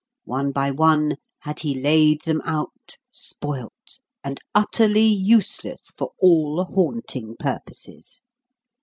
One by one, had he laid them out, spoilt, and utterly useless for all haunting purposes.